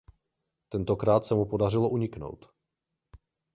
Tentokrát se mu podařilo uniknout.